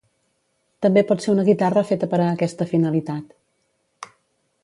També pot ser una guitarra feta per a aquesta finalitat.